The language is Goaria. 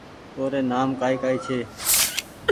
اوري نآم ڪآئي ڪآئي ڇي